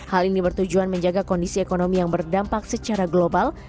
hal ini bertujuan menjaga kondisi ekonomi yang berdampak secara global